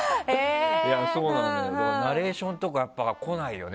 ナレーションとかは来ないよね。